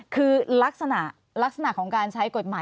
คือลักษณะลักษณะของการใช้กฎหมาย